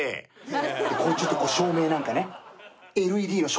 こういうちょっと照明なんかね。